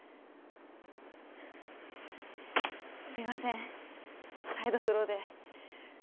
すいませんサイドスローで。